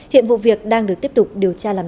hiện vụ việc đang được tiếp tục điều tra làm rõ